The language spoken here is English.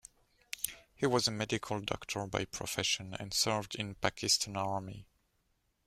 He was a medical doctor by profession, and served in Pakistan Army.